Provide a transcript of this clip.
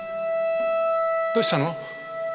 どうしたの？